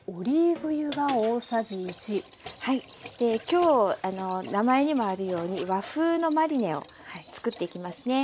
今日名前にもあるように和風のマリネを作っていきますね。